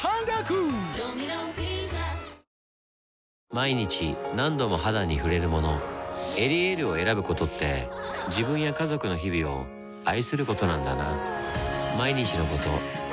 毎日何度も肌に触れるもの「エリエール」を選ぶことって自分や家族の日々を愛することなんだなぁ